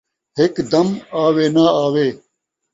ہک دم ، آوے ناں آوے